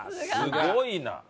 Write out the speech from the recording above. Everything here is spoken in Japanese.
すごいな！